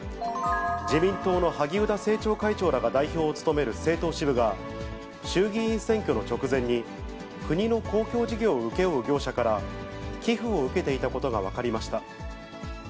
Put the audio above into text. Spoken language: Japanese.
自民党の萩生田政調会長らが代表を務める政党支部が、衆議院選挙の直前に、国の公共事業を請け負う業者から寄付を受けていたことが分かりました。